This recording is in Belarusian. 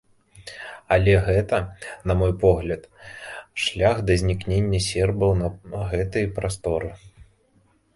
Але гэта, на мой погляд, шлях да знікнення сербаў на гэтай прасторы.